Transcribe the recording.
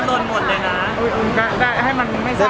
โอเคขอพร้อมหน่อยนะครับใครของใครของงาน